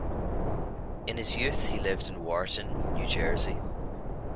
In his youth he lived in Wharton, New Jersey.